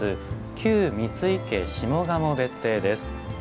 旧三井家下鴨別邸です。